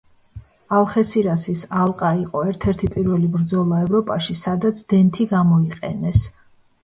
ალხესირასის ალყა იყო ერთ-ერთი პირველი ბრძოლა ევროპაში, სადაც დენთი გამოიყენეს.